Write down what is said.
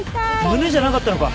胸じゃなかったのか？